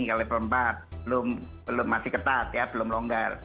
kalau level empat masih ketat belum longgar